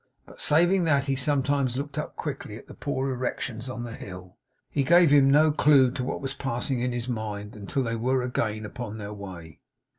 But saving that he sometimes looked up quickly at the poor erections on the hill, he gave him no clue to what was passing in his mind, until they were again upon their way.